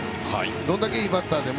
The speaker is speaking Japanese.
どれだけいいバッターでも。